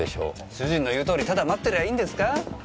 主人の言うとおりただ待ってりゃいいんですかぁ？